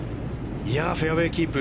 フェアウェーキープ。